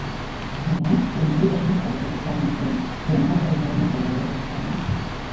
Nē, viņi īpaši nesteigsies ar celtniecību, jo nav arī vēl materiālo iespēju.